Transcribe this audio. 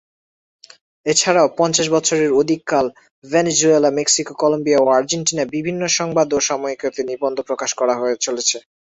এছাড়াও পঞ্চাশ বছরের অধিককাল ভেনেজুয়েলা, মেক্সিকো, কলম্বিয়া ও আর্জেন্টিনার বিভিন্ন সংবাদপত্র ও সাময়িকীতে নিবন্ধ প্রকাশ করে চলেছেন।